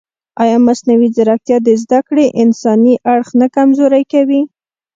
ایا مصنوعي ځیرکتیا د زده کړې انساني اړخ نه کمزوری کوي؟